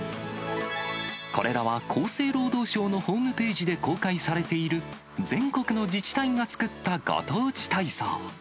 これらは、厚生労働省のホームページで公開されている、全国の自治体が作ったご当地体操。